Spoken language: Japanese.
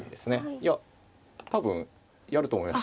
いや多分やると思います